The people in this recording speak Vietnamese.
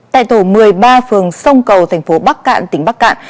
tại tổ một mươi ba phường sông cầu tp bắc cạn tỉnh bắc cạn